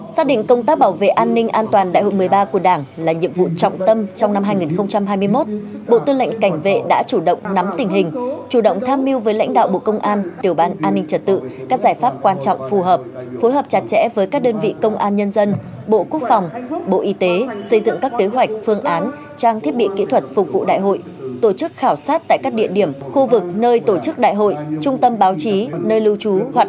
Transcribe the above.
xác định công tác bảo vệ an ninh an toàn đại hội một mươi ba của đảng là nhiệm vụ trọng tâm trong năm hai nghìn hai mươi một bộ tư lệnh cảnh vệ đã chủ động nắm tình hình chủ động tham mưu với lãnh đạo bộ công an điều ban an ninh trật tự các giải pháp quan trọng phù hợp phối hợp chặt chẽ với các đơn vị công an nhân dân bộ quốc phòng bộ y tế xây dựng các kế hoạch phương án trang thiết bị kỹ thuật phục vụ đại hội tổ chức khảo sát tại các địa điểm khu vực nơi tổ chức đại hội trung tâm báo chí nơi lưu tr